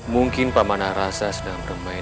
mungkin paman arasah sedang bermain